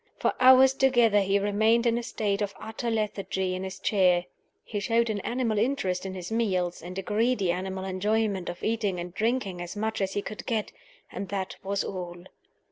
For hours together he remained in a state of utter lethargy in his chair. He showed an animal interest in his meals, and a greedy animal enjoyment of eating and drinking as much as he could get and that was all.